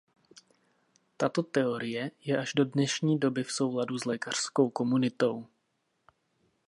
Tato teorie je až do dnešní doby v souladu s lékařskou komunitou.